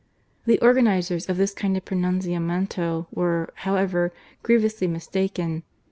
^H The organizers of this kind of pronunziamento ^H were, however, grievously mistaken.